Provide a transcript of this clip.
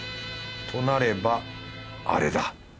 となればあれだ